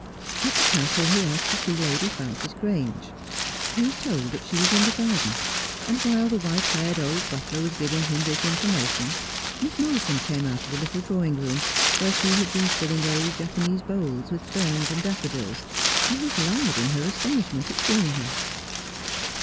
At the castle he asked to see Lady Frances Grange. He was told that she was in the garden, and while the white haired old butler was giving him this information Miss Moulton came out of the little drawing room, where she had been tilling old Japanese bowls with ferns and daffodils, and was loud in her astonishment at seeing him.